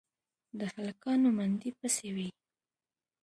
د هلکانو منډې پسې وې.